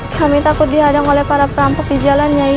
kami takut dihadang oleh para perampok di jalan nyai